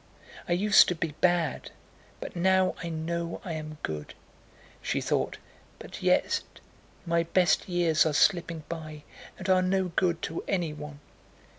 I used to be bad, but now I know I am good," she thought, "but yet my best years are slipping by and are no good to anyone."